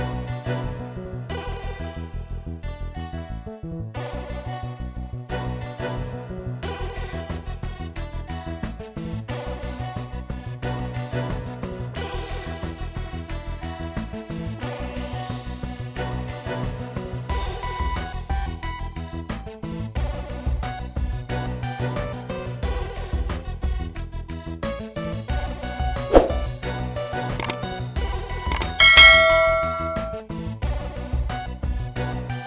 akhirnya tak jauh